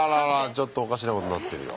ちょっとおかしなことなってるよ。